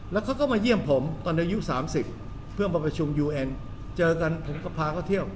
แล้วเขาก็มาเยี่ยมผมตอนอายุ๓๐เพื่อมาประชุมยูเอ็นเจอกันผมก็พาเขาเที่ยว